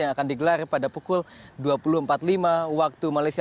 yang akan digelar pada pukul dua puluh empat puluh lima waktu malaysia